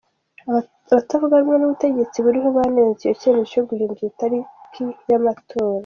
Abatavuga rumwe n’ubutegetsi buriho banenze icyo cyemezo cyo guhindura itariki y’amatora.